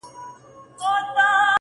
• په خپل ژوند کي یې بوره نه وه څکلې -